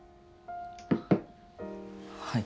はい。